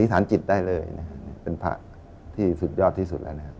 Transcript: อธิษฐานจิตได้เลยเป็นพระที่สุดยอดที่สุดเลยนะฮะ